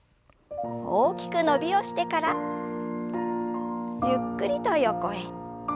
大きく伸びをしてからゆっくりと横へ。